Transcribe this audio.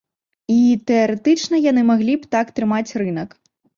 І, тэарэтычна, яны маглі б так трымаць рынак.